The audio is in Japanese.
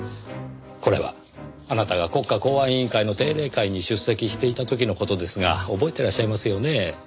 これはあなたが国家公安委員会の定例会に出席していた時の事ですが覚えてらっしゃいますよね？